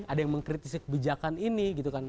ada yang mengkritisi kebijakan ini gitu kan